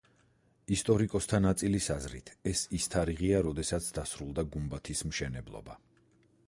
ისტორიკოსთა ნაწილის აზრით, ეს ის თარიღია, როდესაც დასრულდა გუმბათის მშენებლობა.